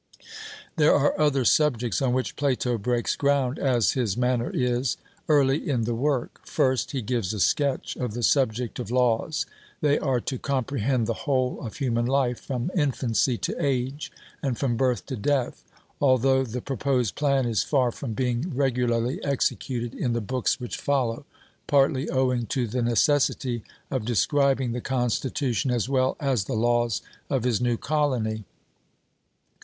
There are other subjects on which Plato breaks ground, as his manner is, early in the work. First, he gives a sketch of the subject of laws; they are to comprehend the whole of human life, from infancy to age, and from birth to death, although the proposed plan is far from being regularly executed in the books which follow, partly owing to the necessity of describing the constitution as well as the laws of his new colony.